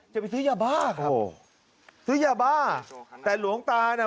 จะไปซื้อยาบ้าครับโอ้โหซื้อยาบ้าแต่หลวงตาน่ะ